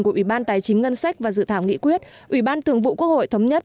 của ủy ban tài chính ngân sách và dự thảo nghị quyết ủy ban thường vụ quốc hội thống nhất